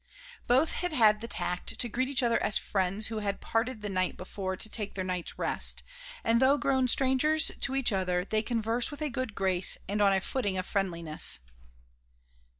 Both had had the tact to greet each other as friends who had parted the night before to take their night's rest, and though grown strangers to each other, they conversed with a good grace and on a footing of friendliness.